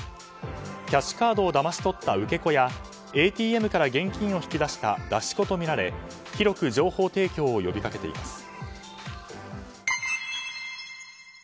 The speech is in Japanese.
キャッシュカードをだまし取った受け子やＡＴＭから現金を引き出した出し子とみられなんできつねうどんじゃないんですか？